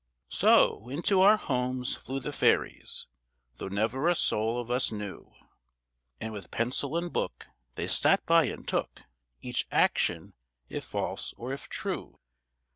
So into our homes flew the fairies, Though never a soul of us knew, And with pencil and book they sat by and took Each action, if false, or if true.